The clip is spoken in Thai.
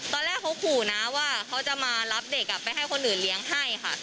ตอนแรกเขาขู่นะว่าเขาจะมารับเด็กไปให้คนอื่นเลี้ยงให้ค่ะ